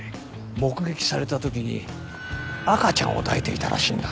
目撃された時に赤ちゃんを抱いていたらしいんだ。